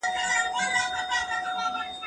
زه به اوږده موده درسونه اورېدلي وم؟